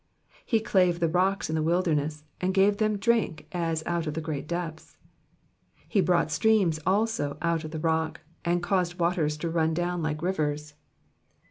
15 He clave the rocks in the wilderness, and gave /A^/« drink as out of the great depths. 16 He brought streams also out of the rock, and caused waters to run down like rivers.